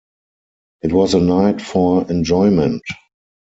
It was a night for enjoyment.